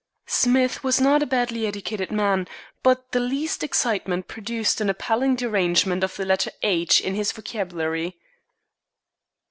Smith was not a badly educated man, but the least excitement produced an appalling derangement of the letter "h" in his vocabulary.